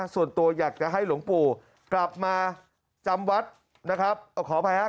ส่วนตัวอยากจะให้หลวงปู่กลับมาจำวัดนะครับขออภัยครับ